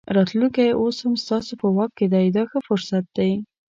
راتلونکی اوس هم ستاسو په واک دی دا ښه فرصت دی.